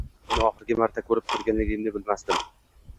Uni oxirgi marta ko`rib turganligimni bilmasdim